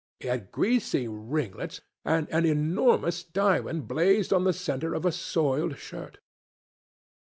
He had greasy ringlets, and an enormous diamond blazed in the centre of a soiled shirt.